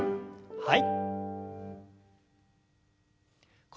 はい。